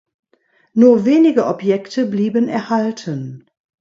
Nur wenige Objekte blieben erhalten.